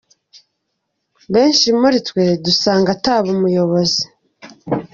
Benshi muri twe dusanga ataba umuyobozi.